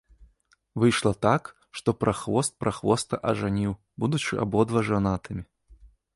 Выйшла так, што прахвост прахвоста ажаніў, будучы абодва жанатымі.